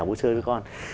bố chơi với con